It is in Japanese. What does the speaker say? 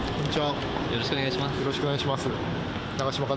よろしくお願いします。